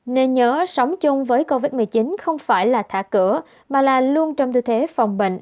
nên nhớ sống chung với covid một mươi chín không phải là thả cửa mà là luôn trong tư thế phòng bệnh